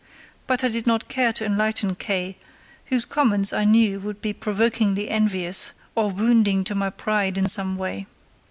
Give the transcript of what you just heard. But I did not care to enlighten K——, whose comments I knew would be provokingly envious or wounding to my pride in some way.